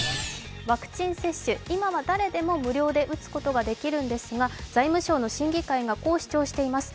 ワクチン接種、今は誰でも無料で打つことができるんですが、財務省の審議会がこう主張しています。